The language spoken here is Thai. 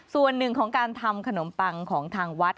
ส่วนหนึ่งของการทำขนมปังของทางวัด